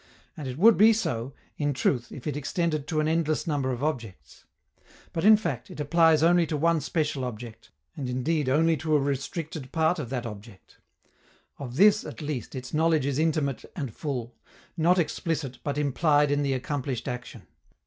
And it would be so, in truth, if it extended to an endless number of objects. But, in fact, it applies only to one special object, and indeed only to a restricted part of that object. Of this, at least, its knowledge is intimate and full; not explicit, but implied in the accomplished action.